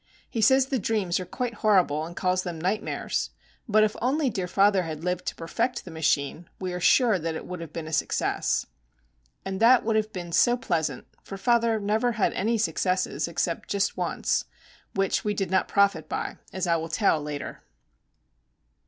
He says the dreams are quite horrible, and calls them "nightmares"; but if only dear father had lived to perfect the machine, we are sure it would have been a success. And that would have been so pleasant, for father never had any successes, except just once,—which we did not profit by, as I will tell later.